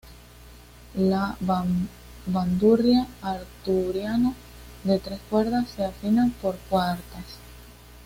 La bandurria asturiana, de tres cuerdas, se afina por cuartas.